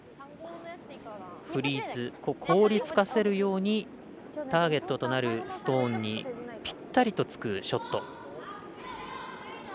フリーズ凍りつかせるようにターゲットとなるストーンにぴったりとつくショット。